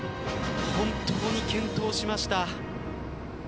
本当に健闘しました。